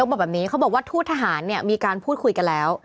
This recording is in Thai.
บอกแบบนี้เขาบอกว่าทูตทหารเนี่ยมีการพูดคุยกันแล้ว